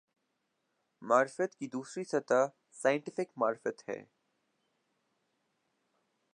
معرفت کی دوسری سطح "سائنٹیفک معرفت" ہے۔